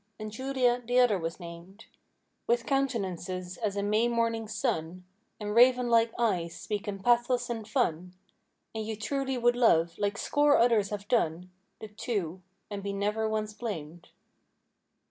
And Julia, the other was named; With countenances as a May morning's sun. And raven like eyes, speaking pathos and fun; And you truly would love, like score others have done. The two—and be never once blamed.